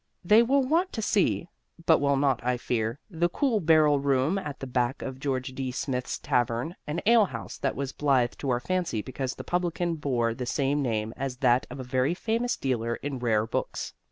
They will want to see (but will not, I fear) the cool barrel room at the back of George D. Smith's tavern, an ale house that was blithe to our fancy because the publican bore the same name as that of a very famous dealer in rare books.